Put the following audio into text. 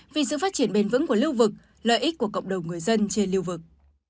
vì sự phát triển bền vững của lưu vực lợi ích của cộng đồng người dân trên lưu vực